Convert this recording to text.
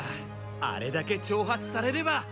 あれだけちょう発されれば。